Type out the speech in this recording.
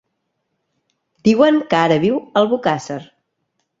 Diuen que ara viu a Albocàsser.